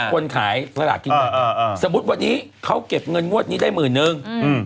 คนขายสลากกินแบ่งสมมุติวันนี้เขาเก็บเงินงวดนี้ได้หมื่นนึง